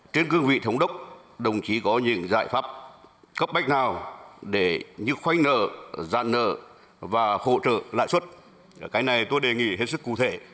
trên cương vị thống đốc đồng chí có những giải pháp cấp bách nào để như khoanh nợ gian nợ và hỗ trợ lãi suất cái này tôi đề nghị hết sức cụ thể